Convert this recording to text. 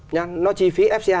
nó chi phí fca